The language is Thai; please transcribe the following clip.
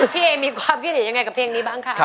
พี่เอมีความคิดเห็นยังไงกับเพลงนี้บ้างคะ